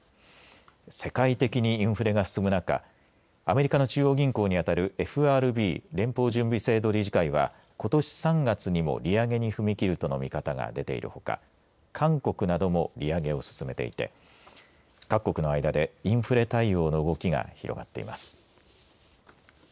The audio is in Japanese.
世界的にインフレが進む中アメリカの中央銀行にあたるＦＲＢ、連邦準備制度理事会はことし３月にも利上げに踏み切るとの見方が出ているほか韓国なども利上げを進めていて各国の間でインフレ対応の動きが広がっています。